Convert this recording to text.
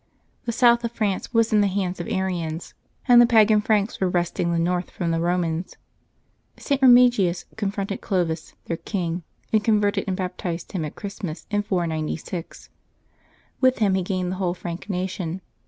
The South of France was in the hands of Arians, and the pagan Franks were wresting the North from the Eomans. St. Eemigius confronted Clovis, their king, and converted and baptized him at Christmas, in 496. With him he gained the whole Frank nation.